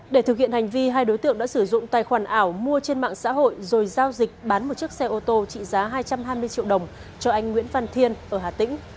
để thực hiện hành vi hai đối tượng đã sử dụng tài khoản ảo mua trên mạng xã hội rồi giao dịch bán một chiếc xe ô tô trị giá hai trăm hai mươi triệu đồng cho anh nguyễn văn thiên ở hà tĩnh